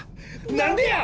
何でや！